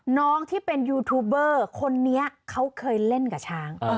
น้องที่เป็นยูทูบเบอร์คนนี้เขาเคยเล่นกับช้าง